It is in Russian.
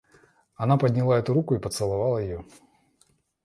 Она подняла эту руку и поцеловала ее.